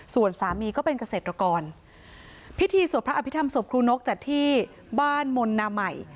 ส่วนสามีก็เป็นเกษตรกรพิธีสวดพระอภิษฐรรศพครูนกจัดที่บ้านมนต์นาใหม่